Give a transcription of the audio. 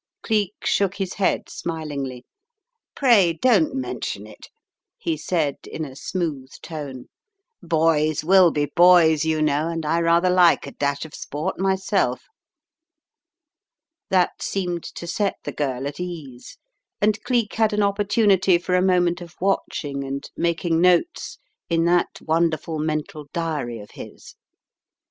Cleek shook his head smilingly. "Pray don't mention it," he said in a smooth tone. "Boys will be boys, you know, and I rather like a dash of sport myself." That seemed to set the girl at ease, and Cleek had an opportunity for a moment of watching and making notes in that wonderful mental diary of his.